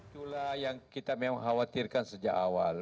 itulah yang kita memang khawatirkan sejak awal